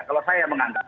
kalau saya menganggap